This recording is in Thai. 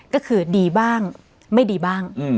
ก็คือดีบ้างไม่ดีบ้าง